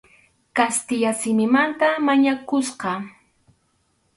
Kastilla simimanta mañakusqa.